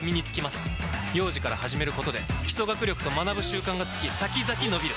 幼児から始めることで基礎学力と学ぶ習慣がつき先々のびる！